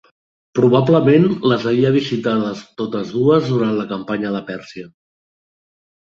Probablement les havia visitades totes dues durant la campanya de Pèrsia.